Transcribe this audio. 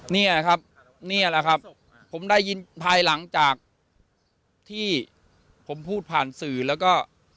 เนี่ยครับนี่แหละครับผมได้ยินภายหลังจากที่ผมพูดผ่านสื่อแล้วก็